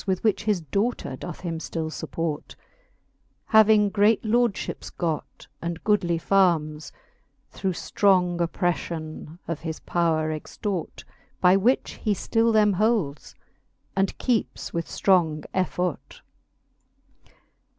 With which his daughter doth him ftill fupport j Having great lordlhips got and goodly farmes, Through ftrong oppreflion of his powre extort; By which he ftil them holds, and keepes with ftrong effort.